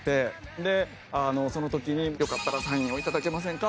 でその時によかったらサインを頂けませんか？